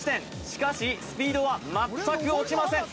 しかしスピードは全く落ちません